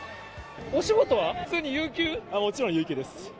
もちろん有給です。